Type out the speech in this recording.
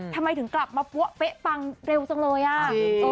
ทำไมถึงกลับมาปั้วเป๊ะปังเร็วจังเลยอ่ะ